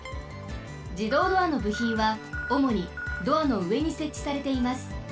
じどうドアのぶひんはおもにドアのうえにせっちされています。